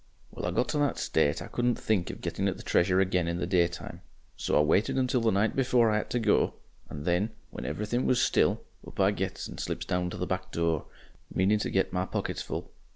"Well, I got to that state I couldn't think of getting at the Treasure again in the daytime, so I waited until the night before I had to go, and then, when everything was still, up I gets and slips down to the back door, meaning to get my pockets full.